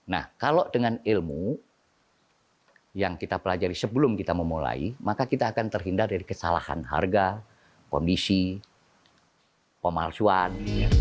nah kalau dengan ilmu yang kita pelajari sebelum kita memulai maka kita akan terhindar dari kesalahan harga kondisi pemalsuan